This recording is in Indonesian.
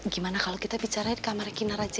gimana kalau kita bicaranya di kamarnya kinar aja ya